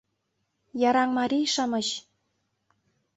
Яраҥ марий-шамыч!